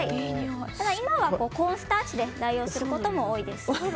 ただ今は、コーンスターチで代用することも多いです。